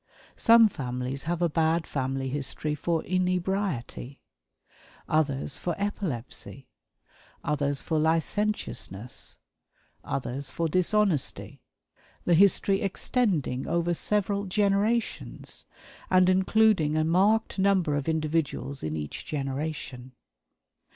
Some families have a "bad family history" for inebriety; others for epilepsy; others for licentiousness; others for dishonesty the history extending over several generations, and including a marked number of individuals in each generation.